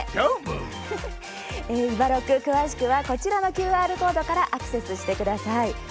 詳しくはこちらのＱＲコードからアクセスしてください。